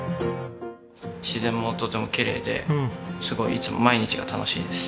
自然もとてもきれいですごいいつも毎日が楽しいです。